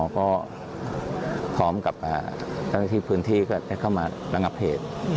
ก็พร้อมกับเจ้าหน้าที่พื้นที่ก็ได้เข้ามาระงับเหตุ